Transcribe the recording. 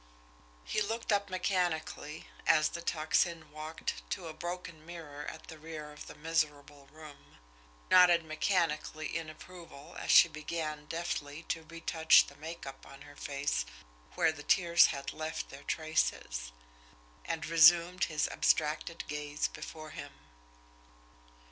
He looked up mechanically as the Tocsin walked to a broken mirror at the rear of the miserable room; nodded mechanically in approval as she began deftly to retouch the make up on her face where the tears had left their traces and resumed his abstracted gaze before him.